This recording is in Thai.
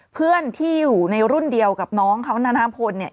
เพื่อนที่อยู่ในรุ่นเดียวกับน้องเขานานาพลเนี่ย